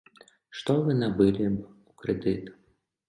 Што вы набылі б у крэдыт?